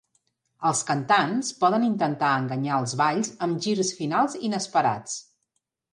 Els cantants poden intentar enganyar els balls amb girs finals inesperats.